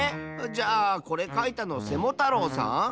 じゃあこれかいたのセモタロウさん？